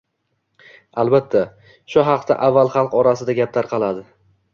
Albatta, shu haqida avval xalq orasida gap tarqaladi.